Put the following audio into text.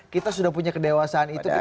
kita sudah punya kedewasaan itu